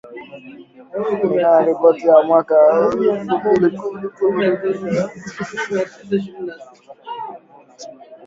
kulingana na ripoti ya mwaka elfu mbili kumi na saba ya kundi la kimazingira la Muungano juu ya Afya na Uchafuzi